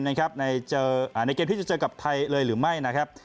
ในเกมที่จะเจอกับไทยเลยหรือไม่นะครับ